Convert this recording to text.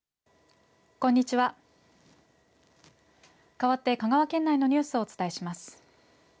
かわって香川県内のニュースをお伝えします。